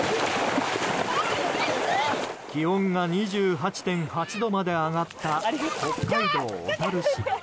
気温が２８．８度まで上がった北海道小樽市。